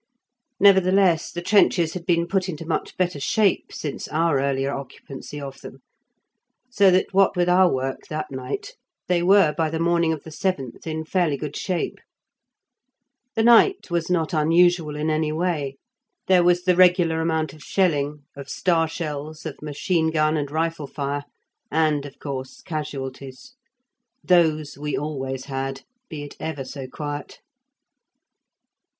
Nevertheless, the trenches had been put into much better shape since our earlier occupancy of them, so that what with our work that night they were by the morning of the seventh in fairly good shape. The night was not unusual in any way. There was the regular amount of shelling, of star shells, of machine gun and rifle fire, and of course, casualties. Those we always had, be it ever so quiet.